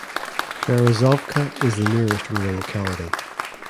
Berezovka is the nearest rural locality.